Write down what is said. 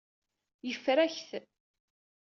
Yeffer-ak-t.